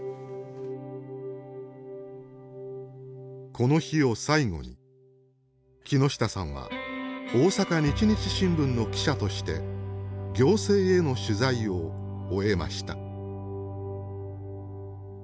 この日を最後に木下さんは大阪日日新聞の記者として行政への取材を終えました。